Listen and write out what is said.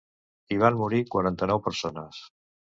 Hi van morir quaranta-nou persones.